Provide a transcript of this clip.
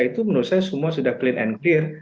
itu menurut saya semua sudah clean and clear